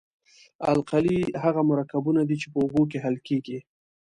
القلي هغه مرکبونه دي چې په اوبو کې حل کیږي.